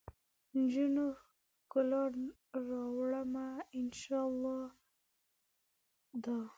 نجونو ؛ ښکلا راوړمه ، ان شا اللهدا